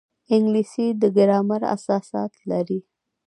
انګلیسي د ګرامر اساسات لري